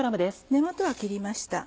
根元は切りました。